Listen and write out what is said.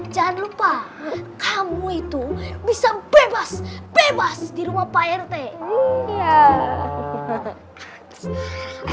jangan lupa kamu itu bisa bebas bebas di rumah pak rt